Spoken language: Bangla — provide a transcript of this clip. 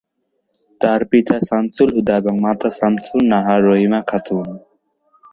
তার পিতা সামসুল হুদা এবং মাতা শামসুন নাহার রহিমা খাতুন।